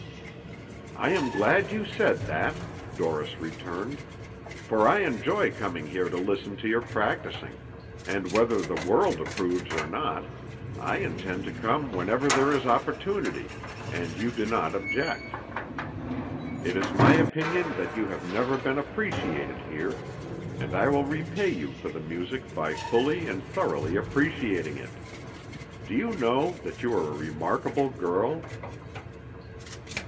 "I am glad you said that," Dorris returned, "for I enjoy coming here to listen to your practising, and whether the world approves or not, I intend to come whenever there is opportunity, and you do not object. It is my opinion that you have never been appreciated here, and I will repay you for the music by fully and thoroughly appreciating it. Do you know that you are a remarkable girl?"